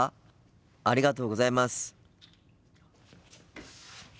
ありがとうございます。